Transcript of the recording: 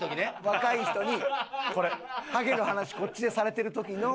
若い人にハゲの話こっちでされてる時の。